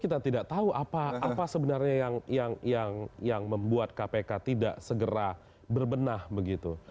kita tidak tahu apa sebenarnya yang membuat kpk tidak segera berbenah begitu